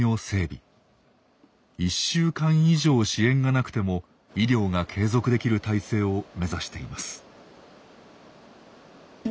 １週間以上支援がなくても医療が継続できる体制を目指しています。